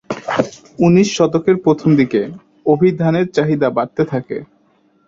উনিশ শতকের প্রথম দিকে অভিধানের চাহিদা বাড়তে থাকে।